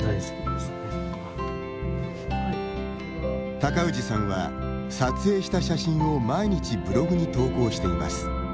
高氏さんは、撮影した写真を毎日ブログに投稿しています。